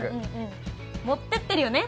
持ってってるよね？